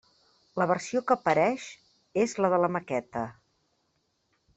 La versió que apareix és la de la maqueta.